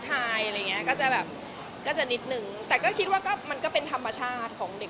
แต่ก็จี๊ดนะก็เป็นตัวตึงนะ